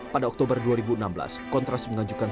pada oktober dua ribu enam belas kontras mengajukan